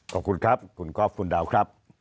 ขอบคุณครับคุณก๊อฟคุณดาวครับ